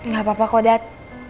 gapapa kok dad